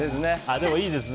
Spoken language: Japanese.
でもいいですね。